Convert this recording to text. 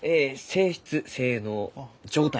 「性質性能状態」。